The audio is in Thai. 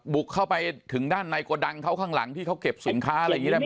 บุกเข้าไปถึงด้านในโกดังเขาข้างหลังที่เขาเก็บสินค้าอะไรอย่างนี้ได้ไหม